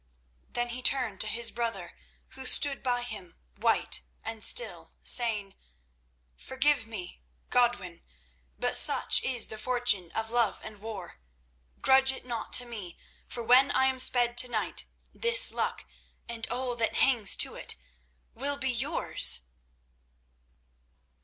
Then he turned to his brother, who stood by him white and still, saying: "Forgive me, Godwin, but such is the fortune of love and war. Grudge it not to me, for when I am sped tonight this Luck—and all that hangs to it—will be yours."